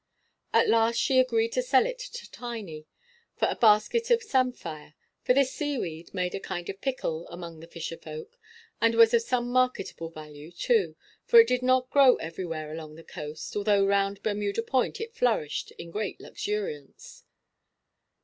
At last she agreed to sell it to Tiny for a basket of samphire, for this seaweed made a kind of pickle among the fisher folk, and was of some marketable value, too, for it did not grow everywhere along the coast, although round Bermuda Point it flourished in great luxuriance.